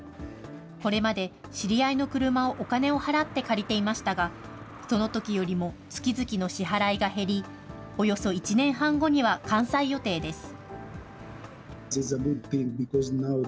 これまで知り合いの車をお金を払って借りていましたが、そのときよりも月々の支払いが減り、およそ１年半後には完済予定です。